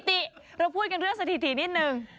ติเราพูดกันเรื่องสถิตินิดนึง